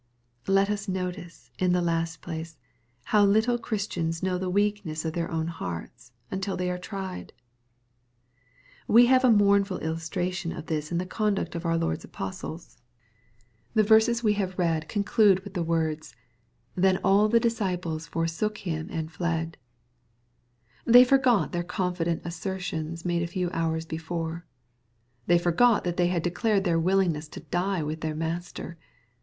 Let us notice, in the last place/ Tww little Christians know the weakness of their own hearts y until they are tried.) We have a mournful illustration of this in the conduct of our Lord's apostles. The verses we have read con 10* 870 EXP08IT0BT THOUGHTS. clade with the words, '' Then all the disciples forsook him and fled/' They forgot their confident assertions made a few hours hefore. They forgot that they had decUred their willingness to die with their Master.